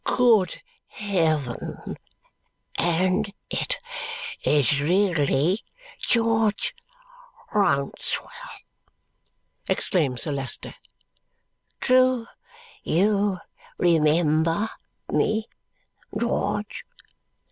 "Good heaven, and it is really George Rouncewell!" exclaims Sir Leicester. "Do you remember me, George?"